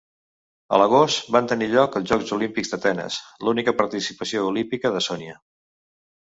A l'agost van tenir lloc els Jocs Olímpics d'Atenes, l'única participació olímpica de Sonia.